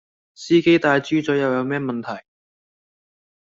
司機戴豬嘴又有咩問題?